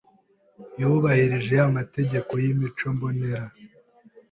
Yubahirije amategeko y’ímico mbonera,